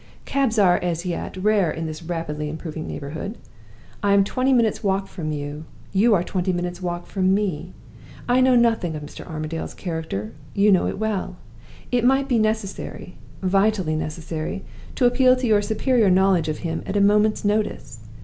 Cabs are, as yet, rare in this rapidly improving neighborhood. I am twenty minutes' walk from you; you are twenty minutes' walk from me. I know nothing of Mr. Armadale's character; you know it well. It might be necessary vitally necessary to appeal to your superior knowledge of him at a moment's notice.